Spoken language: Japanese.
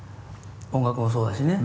音楽もそうだしね。